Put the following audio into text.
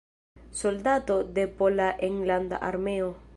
Soldato de Pola Enlanda Armeo.